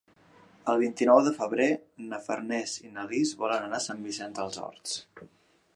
El vint-i-nou de febrer na Farners i na Lis volen anar a Sant Vicenç dels Horts.